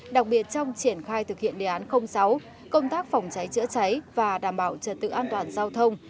đặc biệt trong triển khai thực hiện đề án sáu công tác phòng cháy chữa cháy và đảm bảo trật tự an toàn giao thông